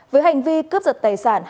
với hành vi cướp giật tài sản